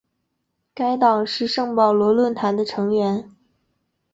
该党是圣保罗论坛的成员。